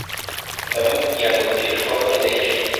ndamumbwira ngo telefone ndayifite